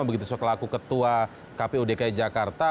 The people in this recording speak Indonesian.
begitu sekelaku ketua kpu dki jakarta